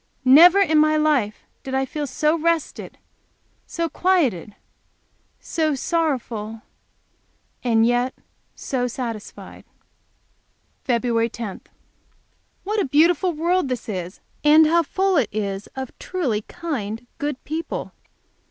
Never in my life did I feel so rested, so quieted, so sorrowful, and yet so satisfied. Feb 10. What a beautiful world this is, and how full it is of truly kind, good people!